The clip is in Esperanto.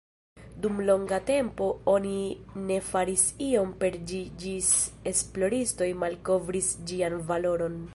Dum longa tempo oni ne faris ion per ĝi ĝis esploristoj malkovris ĝian valoron.